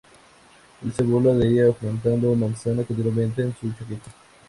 Él se burla de ella frotando una manzana continuamente en su chaqueta.